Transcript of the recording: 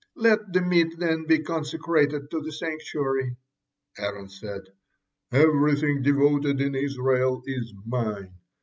Let the meat then be consecrated to the sanctuary.' Aaron said, 'Everything devoted in Israel is mine.